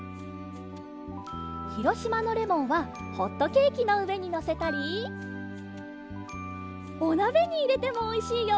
ひろしまのレモンはホットケーキのうえにのせたりおなべにいれてもおいしいよ！